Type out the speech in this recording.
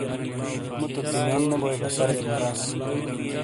مو تو تیمیون نے بوے بسرک مراس۔